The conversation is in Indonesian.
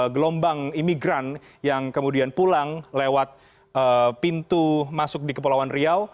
gelombang imigran yang kemudian pulang lewat pintu masuk di kepulauan riau